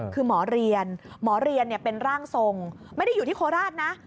คือหมอเรียนหมอเรียนเป็นร่างทรงไม่ได้อยู่ที่โคราชนะ